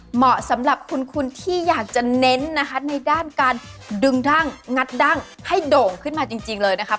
เหมาะสำหรับคุณที่อยากจะเน้นนะคะในด้านการดึงดั้งงัดดั้งให้โด่งขึ้นมาจริงเลยนะคะ